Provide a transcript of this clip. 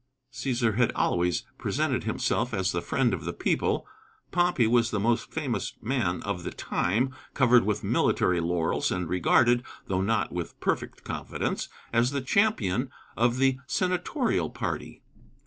Cæsar had always presented himself as the friend of the people; Pompey was the most famous man of the time, covered with military laurels, and regarded, though not with perfect confidence, as the champion of the Senatorial party.